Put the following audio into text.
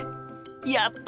やった！